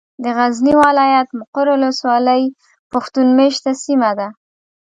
د غزني ولايت ، مقر ولسوالي پښتون مېشته سيمه ده.